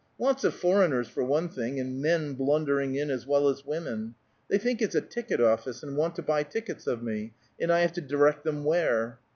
Lots of foreigners, for one thing, and men blundering in, as well as women. They think it's a ticket office, and want to buy tickets of me, and I have to direct 'em where.